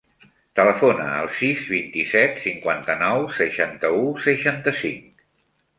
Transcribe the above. Telefona al sis, vint-i-set, cinquanta-nou, seixanta-u, seixanta-cinc.